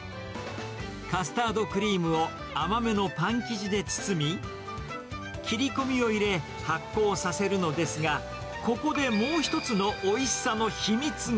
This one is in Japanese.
カスタードクリームを甘めのパン生地で包み、切り込みを入れ、発酵させるのですが、ここでもう一つのおいしさの秘密が。